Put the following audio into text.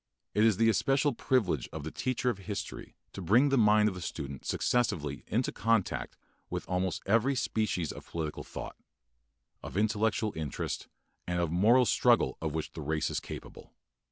It is the especial privilege of the teacher of history to bring the mind of the student successively into contact with almost every species of political effort, of intellectual interest, and of moral struggle of which the race is capable.